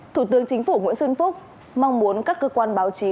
thủ tướng chính phủ nguyễn xuân phúc mong muốn các cơ quan báo chí